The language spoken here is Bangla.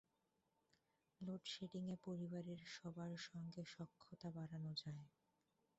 লোডশেডিংয়ে পরিবারের সবার সঙ্গে সখ্যতা বাড়ানো যায়।